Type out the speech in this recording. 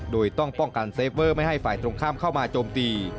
โดยต้องป้องกันเซฟเวอร์ไม่ให้ฝ่ายตรงข้ามเข้ามาโจมตี